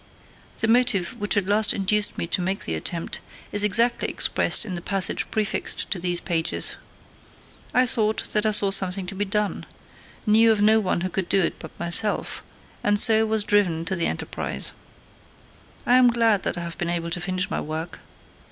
The motive which at last induced me to make the attempt is exactly expressed in the passage prefixed to these pages. I thought that I saw something to be done: knew of no one who could do it but myself, and so was driven to the enterprise. I am glad that I have been able to finish my work.